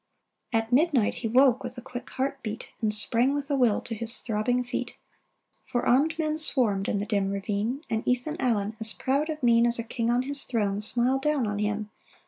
At midnight he woke with a quick heart beat, And sprang with a will to his throbbing feet ;—: For aiTned men swarmed in the dim ravine, And Ethan Allen, as proud of mien As a king on his throne, smiled down on him.